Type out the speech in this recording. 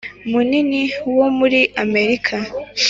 munini wo muri amerika